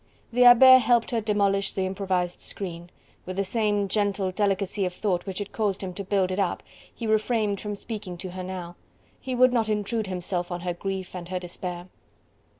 The Abbe helped her demolish the improvised screen; with the same gentle delicacy of thought which had caused him to build it up, he refrained from speaking to her now: he would not intrude himself on her grief and her despair.